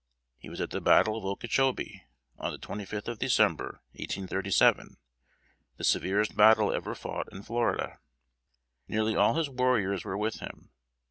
He was at the battle of "Okechobee," on the twenty fifth of December, 1837; the severest battle ever fought in Florida. Nearly all his warriors were with him.